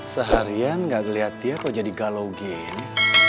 seharian gak kelihatan kok jadi galau gini